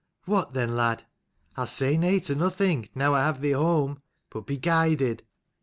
"What then, lad? I'll say nay to nothing, now I have thee home: but be guided.